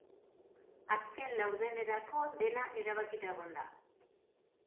Azken laurdenerako dena erabakita egon da.